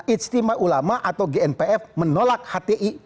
ijtima ulama atau gnpf menolak hti